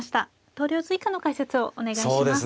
投了図以下の解説をお願いします。